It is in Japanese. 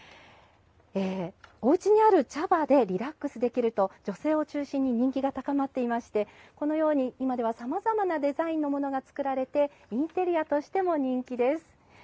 おうちにある茶葉でリラックスできると女性を中心に人気が高まっていましてこのように今では、さまざまなデザインのものが作られてインテリアとしても人気です。